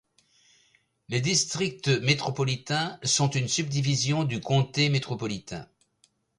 Les districts métropolitains sont une subdivision du comté métropolitain.